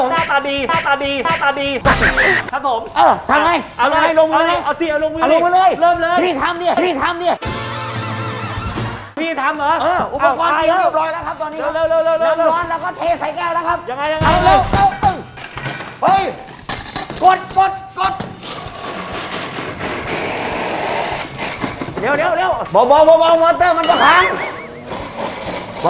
หน้าตาดีเป็นน้ำหวานก็เทใส่แก้วนะครับ